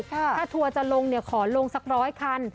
ถ้าทัวร์จะลงขอลงสักร้อยคัน